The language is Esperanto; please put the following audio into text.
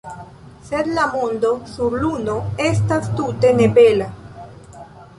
Sed la mondo sur luno estas tute ne bela.